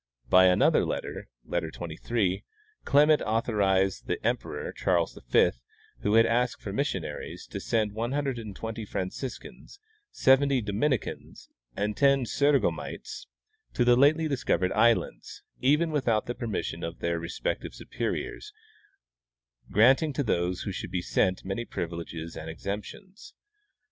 By another letter (letter 23) Clement authorized the emperor, Charles V, who had asked for mission aries, to send one hundred and twenty Franciscans, seventy Dominicans, and ten Serougmites to the lately discovered islands, even without the permission of their respective superiors, grant ing to those who should be sent many privileges and exemptions.